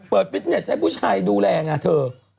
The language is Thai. ฟิตเน็ตให้ผู้ชายดูแลไงเธอ